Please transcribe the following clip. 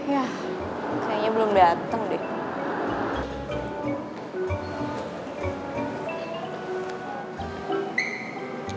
ya kayaknya belum datang deh